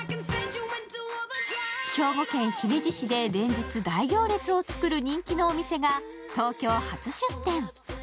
兵庫県姫路市で、連日大行列を作る人気のお店が東京初出店。